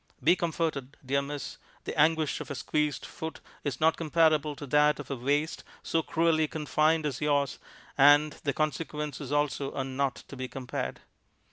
Be comforted, dear miss; the anguish of a squeezed foot is not comparable to that of a waist so cruelly confined as yours, and the consequences, also, are not to be compared.'